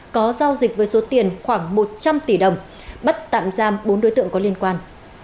có giao dịch với số tiền khoảng một trăm linh tỷ đồng bắt tạm giam bốn đối tượng có liên quan